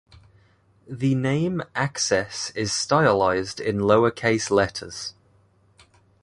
The name "access" is stylized in lowercase letters.